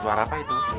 suara apa itu